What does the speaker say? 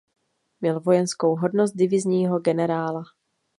Měl vojenskou hodnost divizního generála.